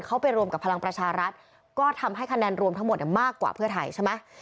ไปรวมกับพลังประชารัฐก็ทำให้คะแนนรวมทั้งหมดมากกว่าเพื่อไทยใช่ไหม